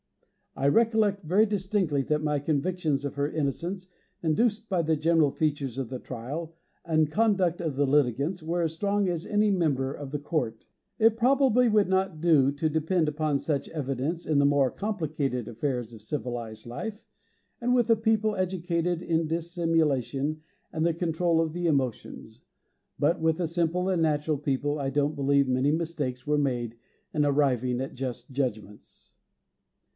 I recollect very distinctly that my convictions of her innocence induced by the general features of the trial and conduct of the litigants were as strong as any member of the court. It probably would not do to depend upon such evidence in the more complicated affairs of civilized life, and with a people educated in dissimulation and the control of the emotions, but with a simple and natural people I don't believe many mistakes were made in arriving at just judgments.